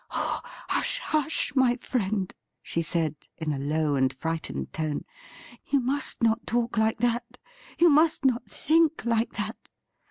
' Oh, hush, hush, my friend !' she said, in a low and frightened tone ;' you must not talk like that ; you must not think like that.'